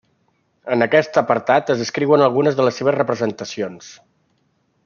En aquest apartat es descriuen algunes de les seves representacions.